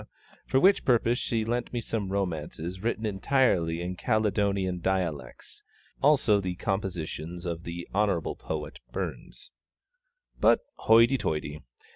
for which purpose she lent me some romances written entirely in Caledonian dialects, also the compositions of Hon. Poet BURNS. But hoity toity!